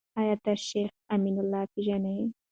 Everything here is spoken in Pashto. آيا ته شيخ امين الله پېژنې ؟